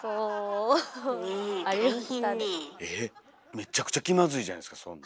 めっちゃくちゃ気まずいじゃないですかそんなん。